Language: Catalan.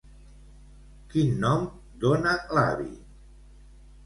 Quin nom dona l'avi?